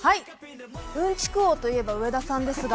うんちく王といえば上田さんですが。